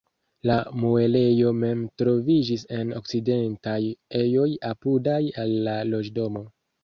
La muelejo mem troviĝis en okcidentaj ejoj apudaj al la loĝdomo.